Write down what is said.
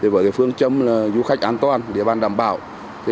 với phương châm du khách an toàn địa bàn đảm bảo